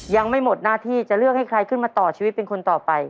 ยังไม่หมดหน้าที่จะเลือกให้ใครขึ้นมาต่อชีวิตเป็นคนต่อไป